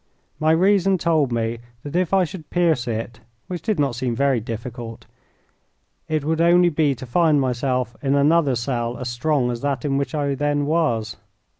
My reason told me that if I should pierce it which did not seem very difficult it would only be to find myself in another cell as strong as that in which I then was.